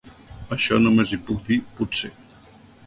A això només hi puc dir potser.